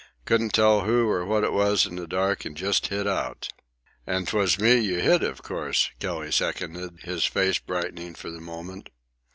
Couldn't tell who or what it was in the dark and just hit out." "An' 'twas me you hit, of course," Kelly seconded, his face brightening for the moment.